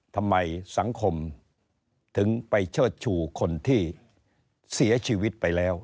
ทำไมสังคมถึงไปเชิดชูคนที่เสียชีวิตไปแล้ว